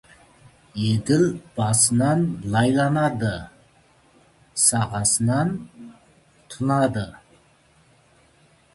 Еділ басынан лайланады, сағасынан тұнады.